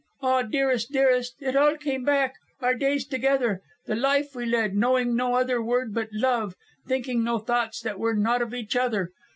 Ah, dearest, dearest, it all came back, our days together, the life we led, knowing no other word but love, thinking no thoughts that were not of each other.